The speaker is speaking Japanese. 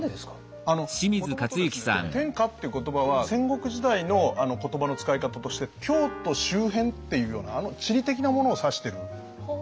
もともとですね「天下」っていう言葉は戦国時代の言葉の使い方として京都周辺っていうような地理的なものを指してる場合が多いんです。